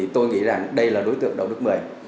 tôi nghĩ rằng đây là đối tượng đậu đức một mươi